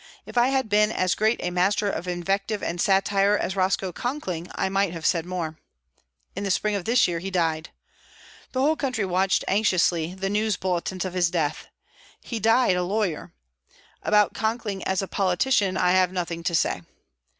If I had been as great a master of invective and satire as Roscoe Conkling I might have said more. In the spring of this year he died. The whole country watched anxiously the news bulletins of his death. He died a lawyer. About Conkling as a politician I have nothing to say.